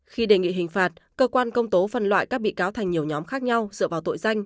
khi đề nghị hình phạt cơ quan công tố phân loại các bị cáo thành nhiều nhóm khác nhau dựa vào tội danh